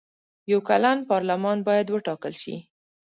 یو کلن پارلمان باید وټاکل شي.